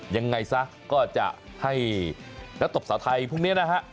ยังไงซะก็จะให้นักตบสาวไทยพวกนี้นะฮะ